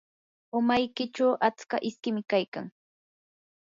umaykichu atska iskim kaykan.